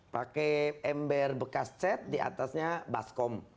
pakai ember bekas chat di atasnya baskom